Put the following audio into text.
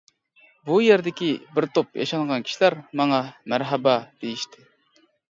بۇ يەردىكى بىر توپ ياشانغان كىشىلەر ماڭا مەرھابا، دېيىشتى.